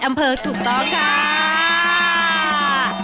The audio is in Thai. ๘อำเพลิงถูกต้องค่ะ